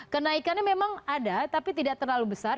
kenaikannya memang ada tapi tidak terlalu besar